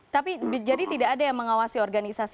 tapi jadi tidak ada yang mengawasi organisasi